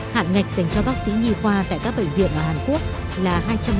hạn ngạch dành cho bác sĩ nhi khoa tại các bệnh viện ở hàn quốc là hai trăm năm mươi